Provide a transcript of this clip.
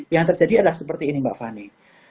yang terjadi adalah seperti ini mbak fani